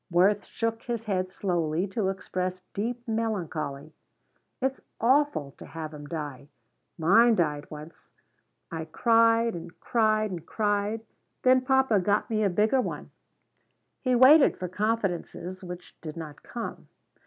Worth shook his head slowly to express deep melancholy. "It's awful to have 'em die. Mine died once. I cried and cried and cried. Then papa got me a bigger one." He waited for confidences which did not come.